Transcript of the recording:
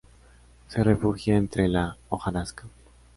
Se refugia entre la hojarasca.